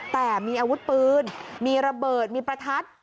แต่มีอาวุธปืนมีระเบิดมีประทัด